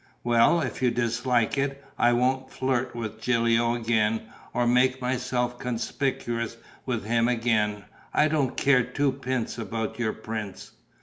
"Well, if you dislike it, I won't flirt with Gilio again or make myself conspicuous with him again. I don't care twopence about your prince."